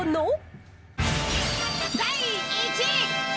第１位。